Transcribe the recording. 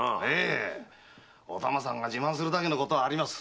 お玉さんが自慢するだけのことはあります。